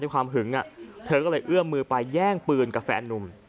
ความหึงเธอก็เลยเอื้อมมือไปแย่งปืนกับแฟนนุ่ม